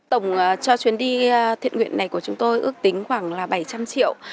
tổng cho chuyến đi thiện nguyện này của chúng tôi ước tính khoảng bảy trăm linh triệu